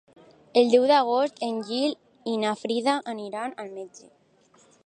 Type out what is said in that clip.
El deu d'agost en Gil i na Frida aniran al metge.